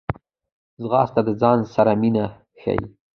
ځغاسته د ځان سره مینه ښيي